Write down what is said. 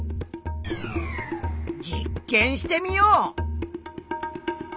実験してみよう！